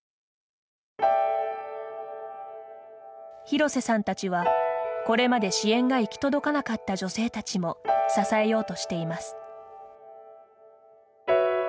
廣瀬さんたちはこれまで支援が行き届かなかった女性たちも支えようとしています。